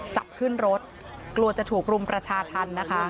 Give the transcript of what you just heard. จับขึ้นรถกลัวจะถูกรุมประชาธรรมนะคะ